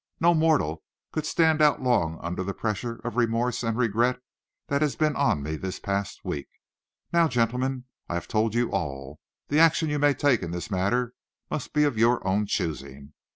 No mortal could stand out long under the pressure of remorse and regret that has been on me this past week. Now, gentlemen, I have told you all. The action you may take in this matter must be of your own choosing.